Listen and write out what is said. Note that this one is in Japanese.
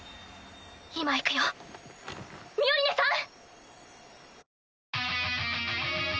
今行くよミオリネさん！